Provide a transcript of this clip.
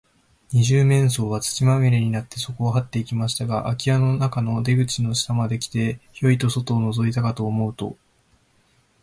二十面相は、土まみれになって、そこをはっていきましたが、あき家の中の出口の下まで来て、ヒョイと外をのぞいたかと思うと、